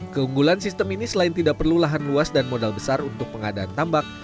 keunggulan sistem ini selain tidak perlu lahan luas dan modal besar untuk pengadaan tambak